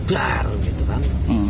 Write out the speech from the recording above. dar gitu kan